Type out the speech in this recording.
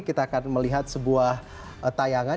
kita akan melihat sebuah tayangan